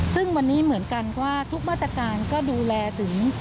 ซึ่งวันนี้เหมือนกันว่าทุกมาตรการก็ดูแลถึง